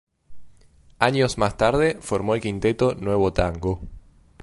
Años más tarde formó el quinteto Nuevo Tango.